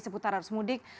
seputar harus mudik